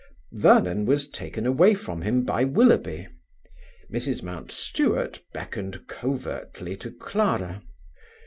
Vernon was taken away from him by Willoughby. Mrs Mountstuart beckoned covertly to Clara.